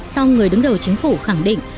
sau người đứng đầu chính phủ khẳng định